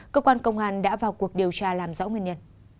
cơ quan công an đã vào cuộc điều tra làm rõ nguyên nhân